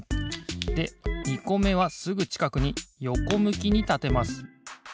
で２こめはすぐちかくによこむきにたてます。